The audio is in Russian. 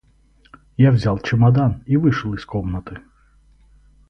Я взял чемодан и вышел из комнаты.